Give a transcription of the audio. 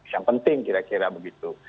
yang penting kira kira begitu